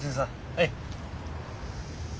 はい。